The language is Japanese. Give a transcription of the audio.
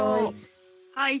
はい。